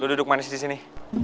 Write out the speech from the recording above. lo duduk manis disini